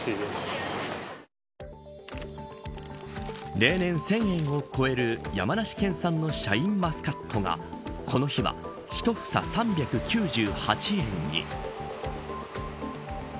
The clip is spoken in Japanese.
例年１０００円を超える山梨県産のシャインマスカットがこの日は１房３９８円に。